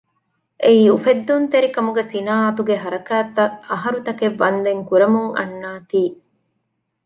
އެއީ އުފެއްދުންތެރކަމުގެ ސިނާއަތުގެ ހަރަކާތްތައް އަހަރުތަކެއް ވަންދެން ކުރަމުން އަންނާތީ